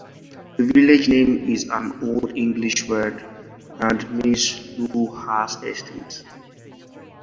The village name is an Old English language word, and means 'Luhha's estate'.